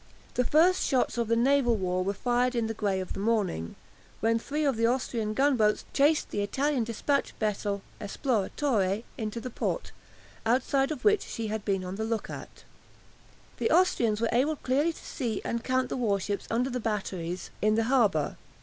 The first shots of the naval war were fired in the grey of the morning, when three of the Austrian gunboats chased the Italian dispatch vessel "Esploratore" into the port, outside of which she had been on the look out. The Austrians were able clearly to see and count the warships under the batteries in the harbour.